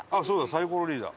サイコロリーダー。